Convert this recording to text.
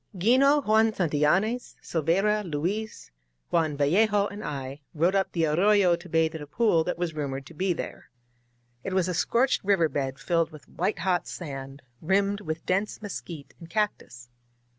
.••" '6ino, Juan Santillanes, Silveyra, Luis, Juan Vallejo and I rode up the arroyo to bathe in a pool that was rumored to be there. It was a scorched river bed filled with white hot sand, rimmed with dense mesquite and cactus.